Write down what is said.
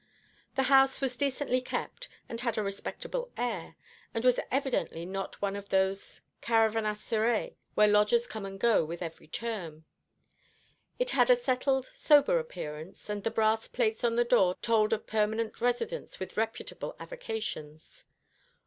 The house was decently kept, and had a respectable air, and was evidently not one of those caravanserais where lodgers come and go with every term. It had a settled sober appearance, and the brass plates upon the door told of permanent residents with reputable avocations.